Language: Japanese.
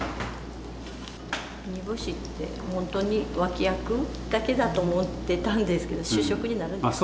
煮干しってほんとに脇役だけだと思ってたんですけど主食になるんですね。